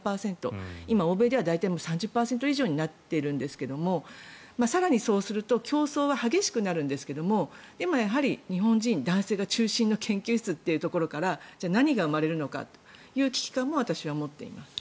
今、欧米では大体３０％以上になっているんですが更にそうすると競争は激しくなるんですが日本人、男性が中心の研究室というところからじゃあ何が生まれるのかという危機感も私は持っています。